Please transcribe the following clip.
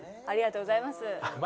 ありがとうございます。